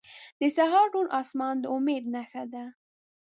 • د سهار روڼ آسمان د امید نښه ده.